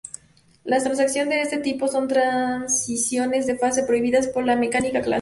Las transiciones de este tipo son transiciones de fase prohibidas por la mecánica clásica.